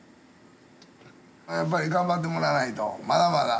やっぱり頑張ってもらわないとまだまだ。